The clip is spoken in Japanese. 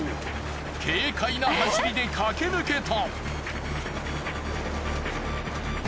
軽快な走りで駆け抜けた！